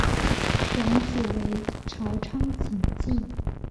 养子为朝仓景纪。